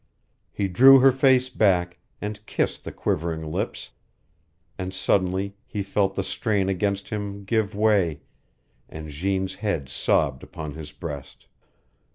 He drew her face back, and kissed the quivering lips, and suddenly he felt the strain against him give way, and Jeanne's head sobbed upon his breast.